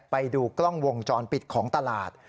ไปดูกล้องวงจรปิดของตลาด